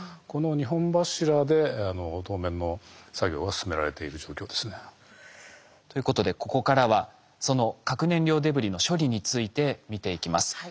この二本柱で当面の作業が進められている状況ですね。ということでここからはその核燃料デブリの処理について見ていきます。